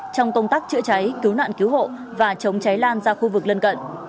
trong công tác chữa cháy cứu nạn cứu hộ và chống cháy lan ra khu vực lân cận